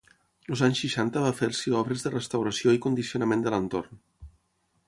Els anys seixanta va fer-s'hi obres de restauració i condicionament de l'entorn.